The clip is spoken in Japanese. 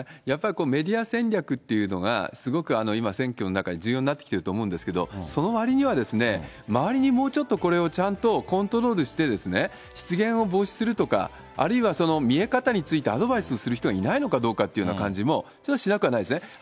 やっぱりメディア戦略っていうのが、すごく今選挙の中で重要になってきてると思うんですけど、そのわりには、周りにもうちょっとこれをちゃんとコントロールして、失言を防止するとか、あるいはその見え方についてアドバイスする人がいないのかどうかっていう感じもしなくはないですね。